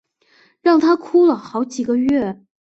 让她哭了好几个月